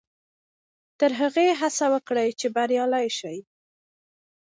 تر هغې هڅه وکړئ چې بریالي شئ.